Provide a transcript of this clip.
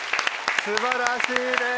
素晴らしいです！